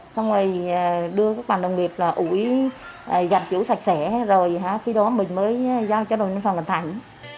xong rồi đưa các bạn đồng nghiệp là ủi gạch chữ sạch sẽ rồi khi đó mình mới giao cho đội biên phòng cần thạnh